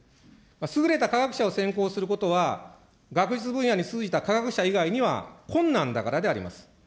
優れた科学者を選考することは、学術分野に通じた科学者以外には困難だからであります。